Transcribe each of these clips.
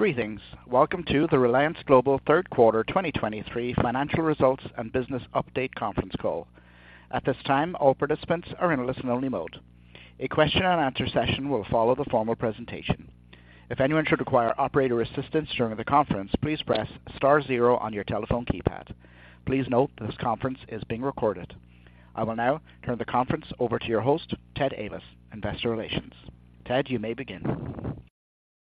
Greetings. Welcome to the Reliance Global third quarter 2023 financial results and business update conference call. At this time, all participants are in a listen-only mode. A question-and-answer session will follow the formal presentation. If anyone should require operator assistance during the conference, please press star zero on your telephone keypad. Please note, this conference is being recorded. I will now turn the conference over to your host, Ted Ayvas, Investor Relations. Ted, you may begin.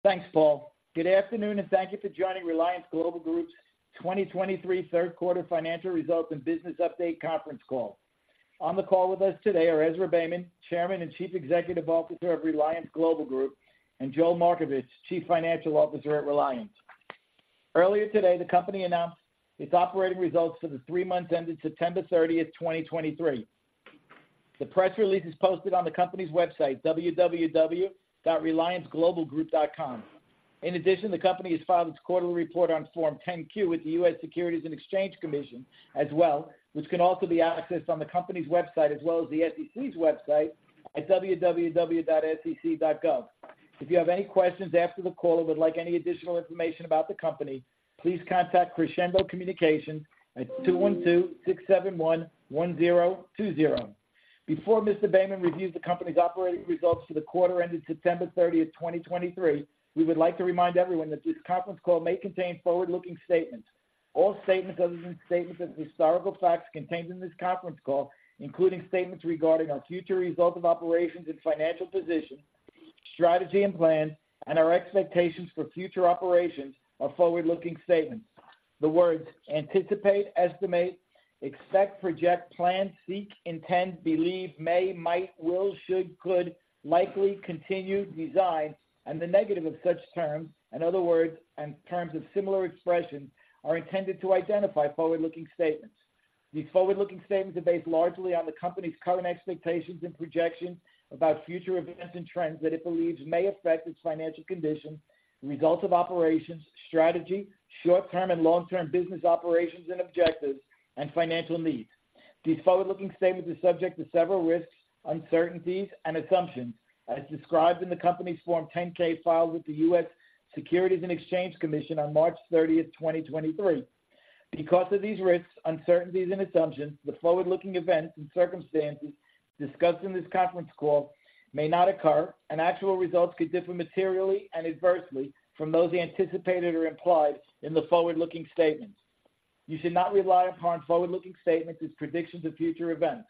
Thanks, Paul. Good afternoon, and thank you for joining Reliance Global Group's 2023 third quarter financial results and business update conference call. On the call with us today are Ezra Beyman, Chairman and Chief Executive Officer of Reliance Global Group, and Joel Markovits, Chief Financial Officer at Reliance. Earlier today, the company announced its operating results for the three months ended September 30, 2023. The press release is posted on the company's website, www.relianceglobalgroup.com. In addition, the company has filed its quarterly report on Form 10-Q with the U.S. Securities and Exchange Commission as well, which can also be accessed on the company's website, as well as the SEC's website at www.sec.gov. If you have any questions after the call or would like any additional information about the company, please contact Crescendo Communications at 212-671-1020. Before Mr. Beyman reviews the company's operating results for the quarter ended September 30, 2023. We would like to remind everyone that this conference call may contain forward-looking statements. All statements other than statements of historical facts contained in this conference call, including statements regarding our future results of operations and financial position, strategy and plans, and our expectations for future operations are forward-looking statements. The words anticipate, estimate, expect, project, plan, seek, intend, believe, may, might, will, should, could, likely, continue, design, and the negative of such terms and other words and terms of similar expression, are intended to identify forward-looking statements. These forward-looking statements are based largely on the company's current expectations and projections about future events and trends that it believes may affect its financial condition, results of operations, strategy, short-term and long-term business operations and objectives, and financial needs. These forward-looking statements are subject to several risks, uncertainties, and assumptions, as described in the company's Form 10-K filed with the U.S. Securities and Exchange Commission on March 30, 2023. Because of these risks, uncertainties, and assumptions, the forward-looking events and circumstances discussed in this conference call may not occur, and actual results could differ materially and adversely from those anticipated or implied in the forward-looking statements. You should not rely upon forward-looking statements as predictions of future events.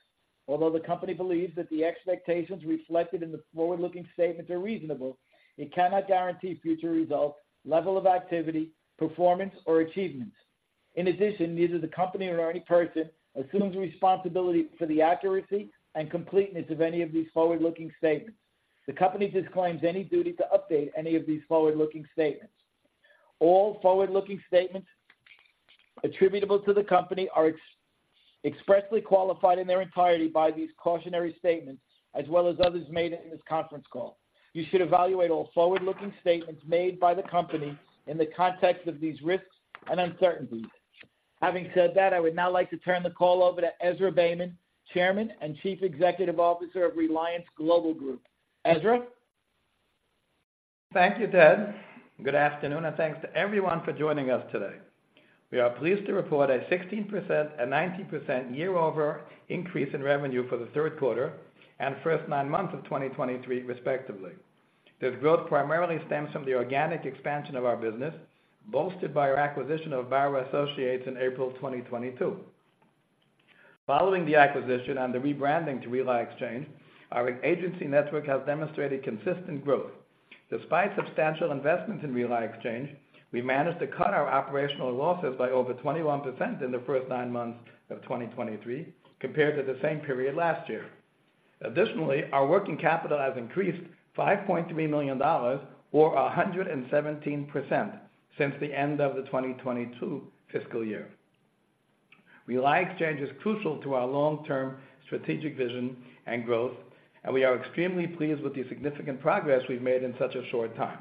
Although the company believes that the expectations reflected in the forward-looking statements are reasonable, it cannot guarantee future results, level of activity, performance, or achievements. In addition, neither the company nor any person assumes responsibility for the accuracy and completeness of any of these forward-looking statements. The company disclaims any duty to update any of these forward-looking statements. All forward-looking statements attributable to the company are expressly qualified in their entirety by these cautionary statements, as well as others made in this conference call. You should evaluate all forward-looking statements made by the company in the context of these risks and uncertainties. Having said that, I would now like to turn the call over to Ezra Beyman, Chairman and Chief Executive Officer of Reliance Global Group. Ezra? Thank you, Ted. Good afternoon, and thanks to everyone for joining us today. We are pleased to report a 16% and 19% year-over increase in revenue for the third quarter and first nine months of 2023, respectively. This growth primarily stems from the organic expansion of our business, bolstered by our acquisition of Barra & Associates in April 2022. Following the acquisition and the rebranding to RELI Exchange, our agency network has demonstrated consistent growth. Despite substantial investments in RELI Exchange, we managed to cut our operational losses by over 21% in the first nine months of 2023, compared to the same period last year. Additionally, our working capital has increased $5.3 million or 117% since the end of the 2022 fiscal year. RELI Exchange is crucial to our long-term strategic vision and growth, and we are extremely pleased with the significant progress we've made in such a short time.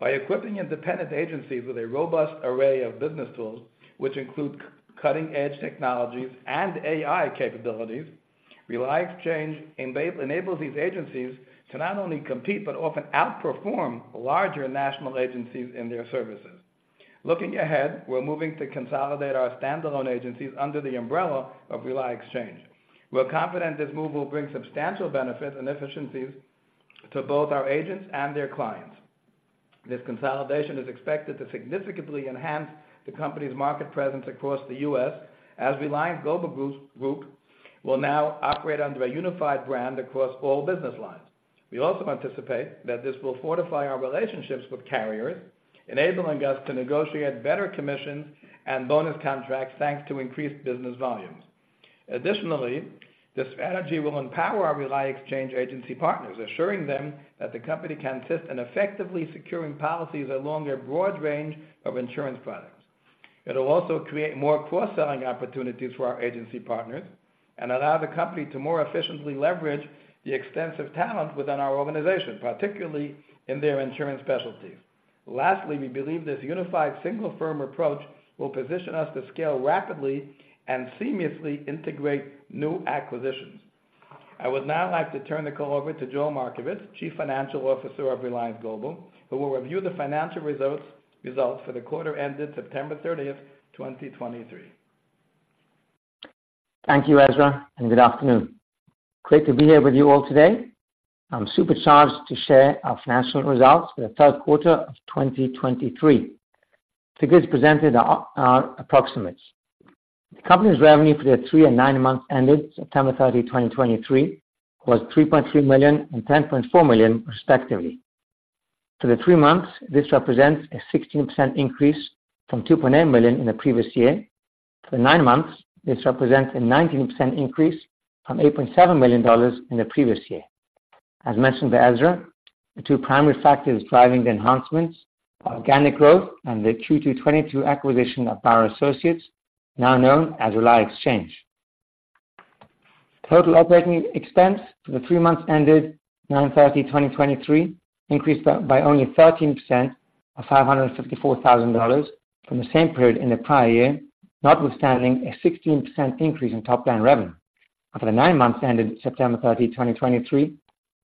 By equipping independent agencies with a robust array of business tools, which include cutting-edge technologies and AI capabilities, RELI Exchange enables these agencies to not only compete, but often outperform larger national agencies in their services. Looking ahead, we're moving to consolidate our standalone agencies under the umbrella of RELI Exchange. We're confident this move will bring substantial benefits and efficiencies to both our agents and their clients. This consolidation is expected to significantly enhance the company's market presence across the U.S., as Reliance Global Group will now operate under a unified brand across all business lines. We also anticipate that this will fortify our relationships with carriers, enabling us to negotiate better commissions and bonus contracts, thanks to increased business volumes. Additionally, this strategy will empower our RELI Exchange agency partners, assuring them that the company can assist in effectively securing policies along a broad range of insurance products. It'll also create more cross-selling opportunities for our agency partners and allow the company to more efficiently leverage the extensive talent within our organization, particularly in their insurance specialties. Lastly, we believe this unified, single firm approach will position us to scale rapidly and seamlessly integrate new acquisitions. I would now like to turn the call over to Joel Markovits, Chief Financial Officer of Reliance Global, who will review the financial results, results for the quarter ended September 30th, 2023. Thank you, Ezra, and good afternoon. Great to be here with you all today. I'm super charged to share our financial results for the third quarter of 2023. Figures presented are approximates. The company's revenue for the three and nine months ended September 30, 2023, was $3.3 million and $10.4 million, respectively. For the three months, this represents a 16% increase from $2.8 million in the previous year. For the nine months, this represents a 19% increase from $8.7 million in the previous year. As mentioned by Ezra, the two primary factors driving the enhancements are organic growth and the Q2 2022 acquisition of Barra & Associates, now known as RELI Exchange. Total operating expense for the three months ended 09/30/2023, increased by only 13%, or $554,000 from the same period in the prior year, notwithstanding a 16% increase in top-line revenue. For the nine months ended September 30, 2023,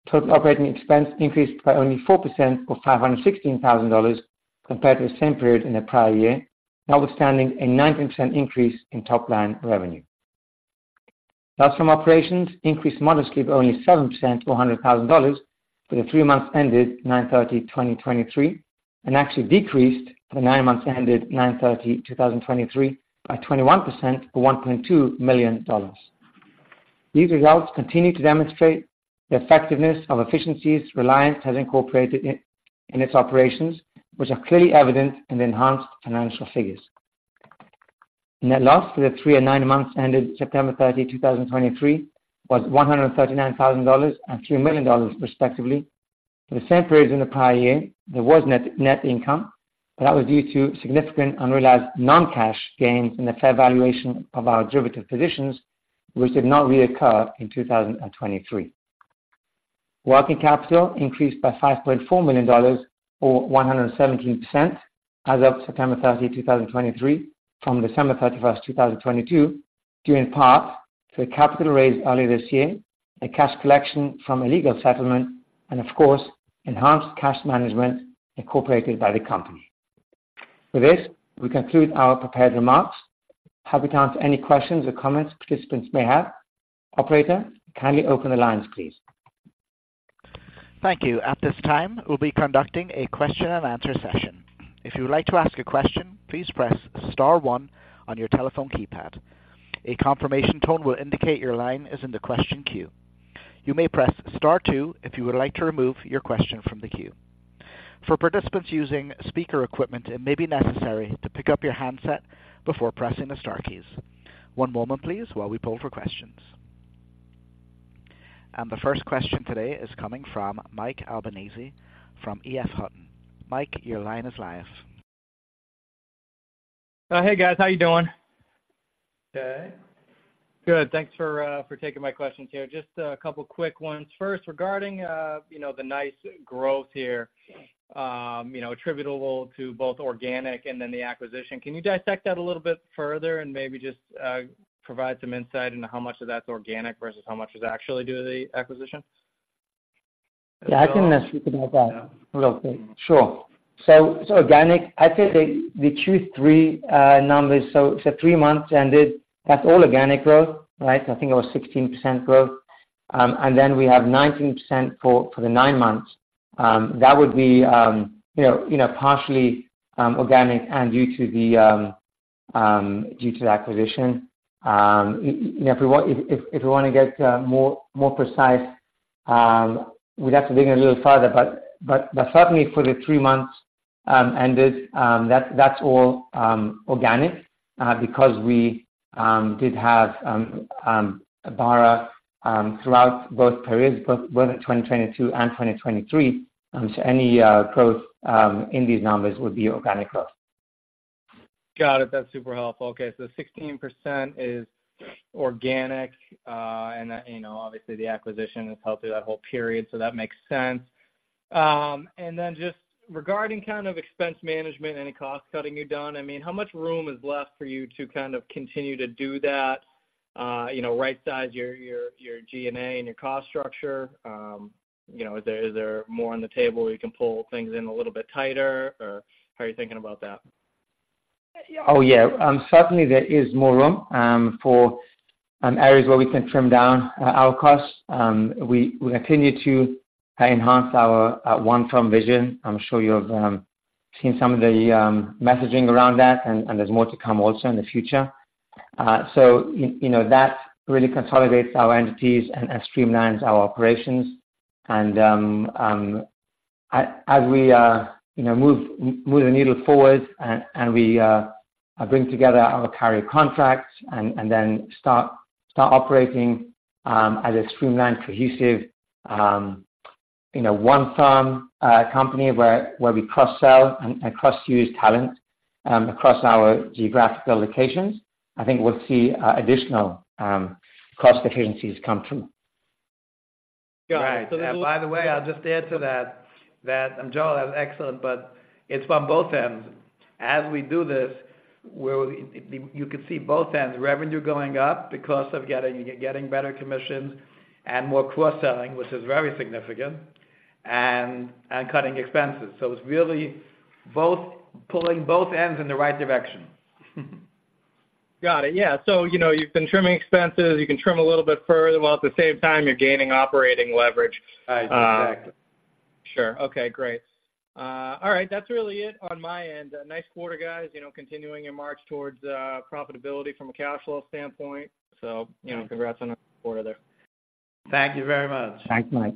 total operating expense increased by only 4%, or $516,000, compared to the same period in the prior year, notwithstanding a 19% increase in top-line revenue. Loss from operations increased modestly by only 7% to $100,000 for the three months ended 09/30/2023, and actually decreased for the nine months ended 09/30/2023, by 21% or $1.2 million. These results continue to demonstrate the effectiveness of efficiencies Reliance has incorporated in its operations, which are clearly evident in the enhanced financial figures. Net loss for the three and nine months ended September 30, 2023, was $139,000 and $2 million, respectively. For the same period in the prior year, there was net income, but that was due to significant unrealized non-cash gains in the fair valuation of our derivative positions, which did not reoccur in 2023. Working capital increased by $5.4 million, or 117% as of September 30, 2023, from December 31, 2022, due in part to a capital raise earlier this year, a cash collection from a legal settlement, and of course, enhanced cash management incorporated by the company. With this, we conclude our prepared remarks. Happy to answer any questions or comments participants may have. Operator, kindly open the lines, please. Thank you. At this time, we'll be conducting a question and answer session. If you would like to ask a question, please press star one on your telephone keypad. A confirmation tone will indicate your line is in the question queue. You may press star two if you would like to remove your question from the queue. For participants using speaker equipment, it may be necessary to pick up your handset before pressing the star keys. One moment, please, while we pull for questions. The first question today is coming from Mike Albanese from EF Hutton. Mike, your line is live. Hey, guys. How are you doing? Good. Good. Thanks for for taking my questions here. Just a couple quick ones. First, regarding you know, the nice growth here, you know, attributable to both organic and then the acquisition. Can you dissect that a little bit further and maybe just provide some insight into how much of that's organic versus how much is actually due to the acquisition? Yeah, I can speak about that a little bit. Sure. So organic, I'd say the Q3 numbers, so three months ended, that's all organic growth, right? I think it was 16% growth. And then we have 19% for the nine months. That would be, you know, partially organic and due to the acquisition. You know, if we want to get more precise, we'd have to dig in a little further, but certainly for the three months ended, that's all organic because we did have Barra throughout both periods, both whether 2022 and 2023. So any growth in these numbers would be organic growth. Got it. That's super helpful. Okay, so 16% is organic, and, you know, obviously, the acquisition has helped through that whole period, so that makes sense. And then just regarding kind of expense management, any cost-cutting you've done, I mean, how much room is left for you to kind of continue to do that? You know, rightsize your, your, your G&A and your cost structure. You know, is there, is there more on the table you can pull things in a little bit tighter, or how are you thinking about that? Oh, yeah. Certainly there is more room for areas where we can trim down our costs. We continue to enhance our OneFirm vision. I'm sure you have seen some of the messaging around that, and there's more to come also in the future. So you know, that really consolidates our entities and streamlines our operations. And as we, you know, move the needle forward and we bring together our carrier contracts and then start operating as a streamlined, cohesive, you know, OneFirm company where we cross-sell and cross-use talent across our geographical locations, I think we'll see additional cost efficiencies come through. Right. And by the way, I'll just add to that, and Joel, that's excellent, but it's from both ends. As we do this, we'll, you can see both ends, revenue going up because of getting better commissions and more cross-selling, which is very significant, and cutting expenses. So it's really both, pulling both ends in the right direction. Got it. Yeah. So, you know, you've been trimming expenses. You can trim a little bit further, while at the same time, you're gaining operating leverage. Right, exactly. Sure. Okay, great. All right. That's really it on my end. Nice quarter, guys. You know, continuing your march towards profitability from a cash flow standpoint. So, you know, congrats on a good quarter there. Thank you very much. Thanks, Mike.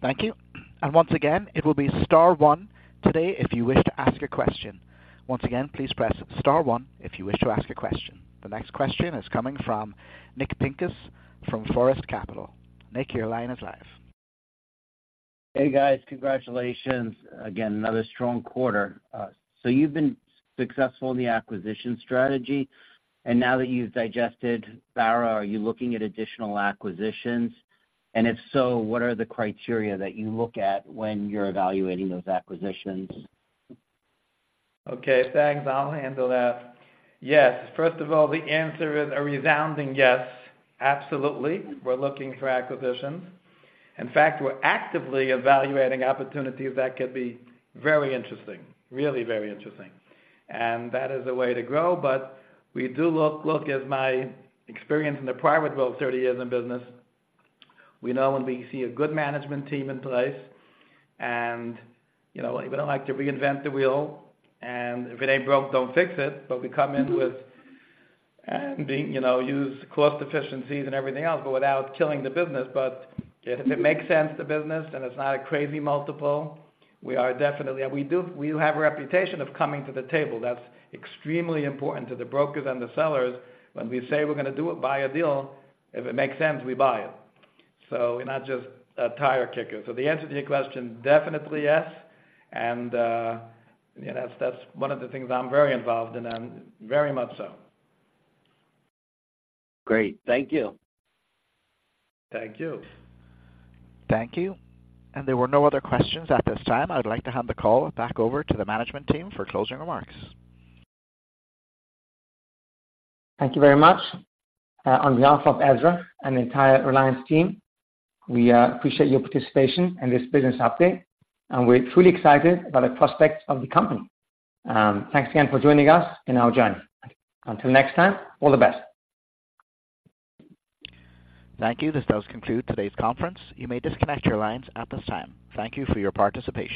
Thank you. Once again, it will be star one today, if you wish to ask a question. Once again, please press star one if you wish to ask a question. The next question is coming from Nick Pincus from Forest Capital. Nick, your line is live. Hey, guys. Congratulations again, another strong quarter. So you've been successful in the acquisition strategy, and now that you've digested Barra, are you looking at additional acquisitions? And if so, what are the criteria that you look at when you're evaluating those acquisitions? Okay, thanks. I'll handle that. Yes, first of all, the answer is a resounding yes. Absolutely, we're looking for acquisitions. In fact, we're actively evaluating opportunities that could be very interesting, really very interesting. And that is the way to grow. But we do look at my experience in the private world, 30 years in business, we know when we see a good management team in place, and, you know, we don't like to reinvent the wheel, and if it ain't broke, don't fix it. But we come in with, and being, you know, use cost efficiencies and everything else, but without killing the business. But if it makes sense, the business, and it's not a crazy multiple, we are definitely. We do, we have a reputation of coming to the table. That's extremely important to the brokers and the sellers. When we say we're gonna do it, buy a deal, if it makes sense, we buy it. So we're not just a tire kicker. So the answer to your question, definitely yes, and, that's, that's one of the things I'm very involved in, and very much so. Great. Thank you. Thank you. Thank you. There were no other questions at this time. I'd like to hand the call back over to the management team for closing remarks. Thank you very much. On behalf of Ezra and the entire Reliance team, we appreciate your participation in this business update, and we're truly excited about the prospects of the company. Thanks again for joining us in our journey. Until next time, all the best. Thank you. This does conclude today's conference. You may disconnect your lines at this time. Thank you for your participation.